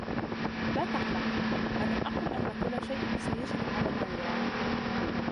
لا تقلق. ألم أقل أن كل شئ سيجري على ما يرام.